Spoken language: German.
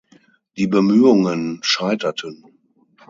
Die Bemühungen scheiterten.